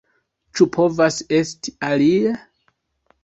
Ĉu povas esti alie?